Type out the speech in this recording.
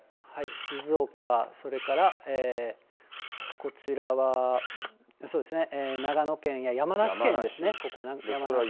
静岡、それからこちらはそうですね、長野県や山梨県ですね。